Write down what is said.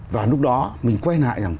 và lúc đó mình quay lại rằng